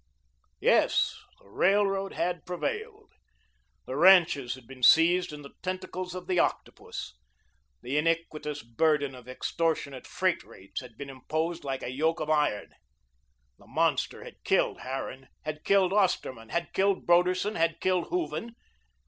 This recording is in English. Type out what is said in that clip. Yes, the Railroad had prevailed. The ranches had been seized in the tentacles of the octopus; the iniquitous burden of extortionate freight rates had been imposed like a yoke of iron. The monster had killed Harran, had killed Osterman, had killed Broderson, had killed Hooven.